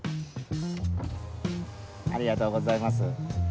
ありがとうございます。